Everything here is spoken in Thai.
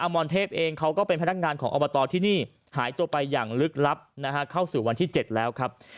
มรเทพเองเขาก็เป็นพนักงานของอบตที่นี่หายตัวไปอย่างลึกลับเข้าสู่วันที่๗แล้วครับ